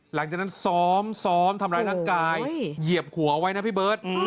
หลังจากนั้นซ้อมซ้อมทำร้ายร่างกายเหยียบหัวไว้นะพี่เบิร์ต